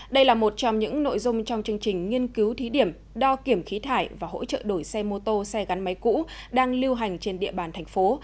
đây là một trong những nội dung trong chương trình nghiên cứu thí điểm đo kiểm khí thải và hỗ trợ đổi xe mô tô xe gắn máy cũ đang lưu hành trên địa bàn thành phố